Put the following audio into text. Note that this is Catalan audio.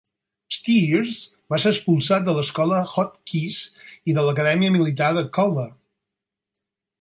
Steers va ser expulsat de l'Escola Hotchkiss i de l'Acadèmia Militar de Culver.